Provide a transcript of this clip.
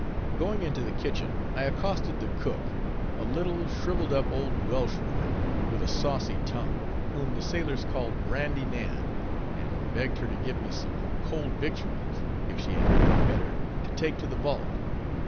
Going into the kitchen, I accosted the cook, a little shriveled up old Welshwoman, with a saucy tongue, whom the sailors called Brandy Nan; and begged her to give me some cold victuals, if she had nothing better, to take to the vault.